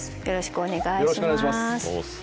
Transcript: よろしくお願いします。